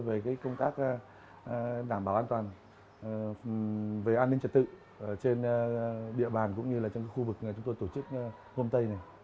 về công tác đảm bảo an toàn về an ninh trật tự trên địa bàn cũng như là trong khu vực chúng tôi tổ chức hôm tây này